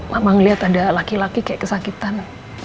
mama ngeliat ada laki laki kayak kesakitan